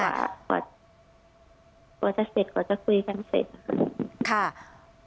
ก่อจะคุยกันเสร็จ